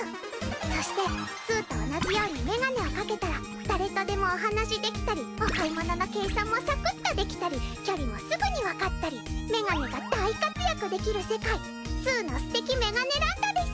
そしてすうと同じようにメガネをかけたら誰とでもお話できたりお買い物の計算もサクッとできたり距離もすぐにわかったりメガネが大活躍できる世界すうのステキメガネランドです！